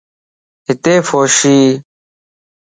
ھتي ڦوشيَ